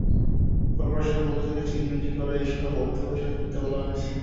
করপোরেশনের পক্ষ থেকে চিনি বিক্রি করেই এসব অর্থ পরিশোধ করতে বলা হয়েছে।